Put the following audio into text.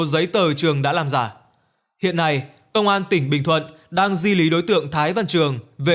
giấy tờ trường đã làm giả hiện nay công an tỉnh bình thuận đang di lý đối tượng thái văn trường về